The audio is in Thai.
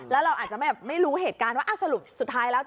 แล้วเราอาจจะไม่รู้เหตุการณ์ว่าสรุปสุดท้ายแล้ว